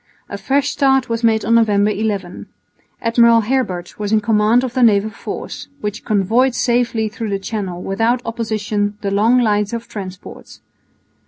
A fresh start was made on November 11. Admiral Herbert was in command of the naval force, which convoyed safely through the Channel without opposition the long lines of transports.